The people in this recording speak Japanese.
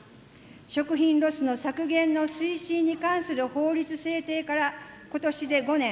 食品ロスの削減の推進に関する法律制定から、ことしで５年。